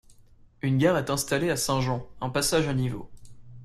Une gare est installée à Saint-Jean, un passage à niveau.